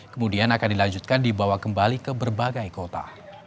kemudian akan dilanjutkan dibawa kembali ke berbagai kota